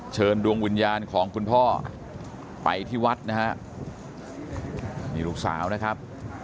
เชิญดวงวิญญาณของคุณพ่อไปที่วัดนะฮะนี่ลูกสาวนะครับ